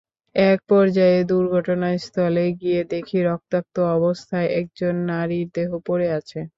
একপর্যায়ে দুর্ঘটনাস্থলে গিয়ে দেখি রক্তাক্ত অবস্থায় একজন নারীর দেহ পড়ে আছে।